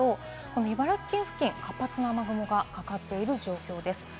茨城県付近、活発な雨雲がかかっている状況です。